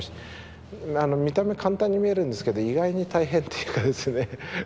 見た目簡単に見えるんですけど意外に大変というかですね。